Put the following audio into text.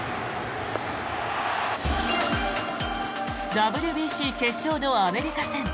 ＷＢＣ決勝のアメリカ戦。